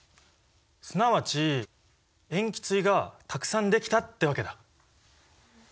すなわち塩基対がたくさんできたってわけだ。